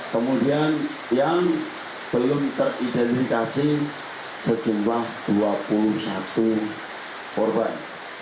kemudian yang belum teridentifikasi sejumlah dua puluh satu korban